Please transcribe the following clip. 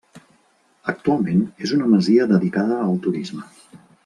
Actualment és una masia dedicada al Turisme.